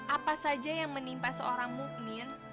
apa saja yang menimpa seorang mukmin